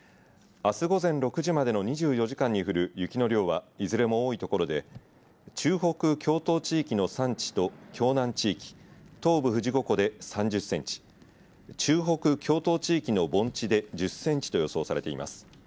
あす午前６時までの２４時間に降る雪の量はいずれも多い所で中北、峡東地域の山地と峡南地域東部、富士五湖で３０センチ中北、峡東地域の盆地で１０センチと予想されています。